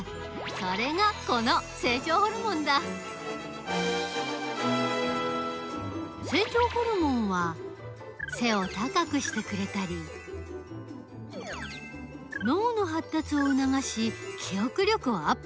それがこの成長ホルモンだ成長ホルモンは背を高くしてくれたり脳のはったつをうながし記憶力をアップさせたりする。